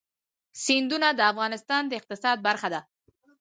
سیندونه د افغانستان د اقتصاد برخه ده.